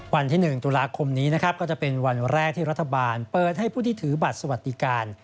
วันที่๑ตุลาคมนี้นะครับก็จะเป็นวันแรกที่รัฐบาลเปิดให้ผู้ที่ถือบัตรสวัสดิการ